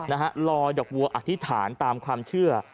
นะฮะลอยดอกบัวอธิษฐานตามความเชื่อ